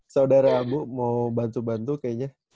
saudara abu mau bantu bantu kayaknya